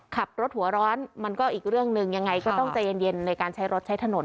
ขับรถหัวร้อนมันก็อีกเรื่องหนึ่งยังไงก็ต้องใจเย็นในการใช้รถใช้ถนน